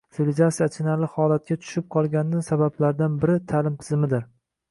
Sivilizatsiya achinarli holatga tushib qolgani sabablardan biri – ta’lim tizimidir.